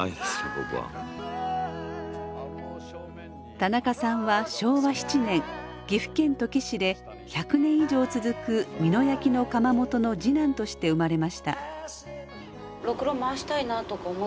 田中さんは昭和７年岐阜県土岐市で１００年以上続く美濃焼の窯元の次男として生まれました。